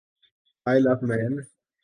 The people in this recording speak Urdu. oil of main